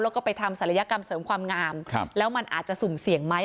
แล้วก็ไปทำศัลยกรรมเสริมความงามแล้วมันอาจจะสุ่มเสี่ยงไหม